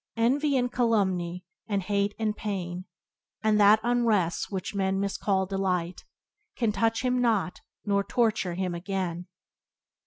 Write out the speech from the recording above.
"Envy and calumny, and hate and pain, And that unrest which men miscall delight, Can touch him not, nor torture him again."